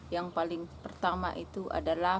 yang paling pertama itu adalah